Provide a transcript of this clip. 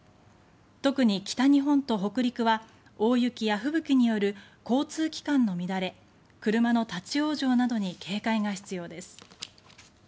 特に北日本と北陸は大雪や吹雪による交通機関の乱れ車の立ち往生などに警戒が必要です。